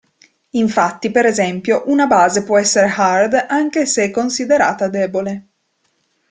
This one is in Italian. Infatti, per esempio, una base può essere hard anche se è considerata debole.